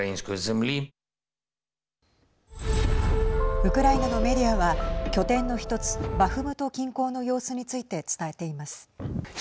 ウクライナのメディアは拠点の１つ、バフムト近郊の様子について伝えています。